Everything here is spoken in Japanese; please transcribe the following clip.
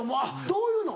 どう言うの？